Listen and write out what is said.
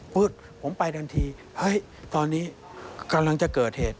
ปุ๊บผมไปทันทีเฮ้ยตอนนี้กำลังจะเกิดเหตุ